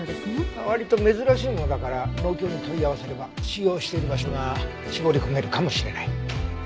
割と珍しいものだから農協に問い合わせれば使用している場所が絞り込めるかもしれない。